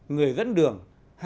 một người dẫn đường